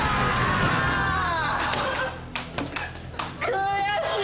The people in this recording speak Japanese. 悔しい！